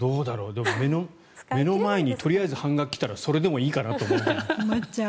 でも目の前にとりあえず半額来たらそれでもいいかなと思う。